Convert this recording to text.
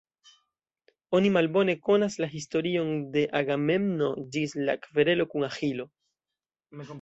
Oni malbone konas la historion de Agamemno ĝis lia kverelo kun Aĥilo.